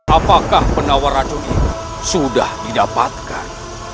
apakah penawar raja ini sudah didapatkan